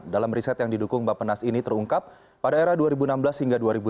dalam riset yang didukung bapenas ini terungkap pada era dua ribu enam belas hingga dua ribu tujuh belas